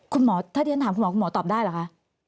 คุณหมอถ้าที่ฉันถามคุณหมอคุณหมอตอบได้เหรอคะ